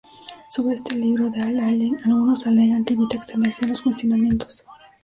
Sobre este libro de J. Allen, algunos alegan que evita extenderse en los cuestionamientos.